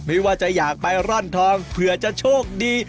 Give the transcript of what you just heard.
ไม่ว่าจะอยากไปร่อนทองเผื่อจะโชคดี